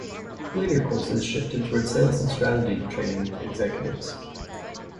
Later courses shifted towards sales and strategy training to executives.